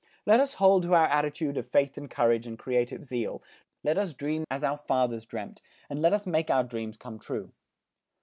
Let us hold to our attitude of faith and courage, and creative zeal. Let us dream as our fathers dreamt and let us make our dreams come true.